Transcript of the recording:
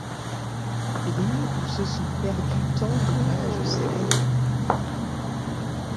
Brume où se sont perdus tant de mages célèbres ?